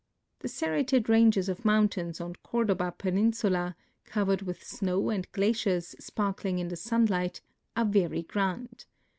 The serrated ranges of mountains on Cordoba peninsula, covered with snow and glaciers sparkling in the sunlight, are very grand.